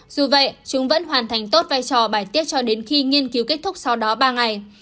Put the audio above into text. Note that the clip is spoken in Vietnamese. dù vậy chúng vẫn hoàn thành tốt vai trò bài tiết cho đến khi nghiên cứu kết thúc sau đó ba ngày